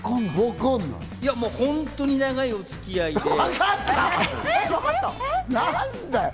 もう本当に、長いお付き合いで。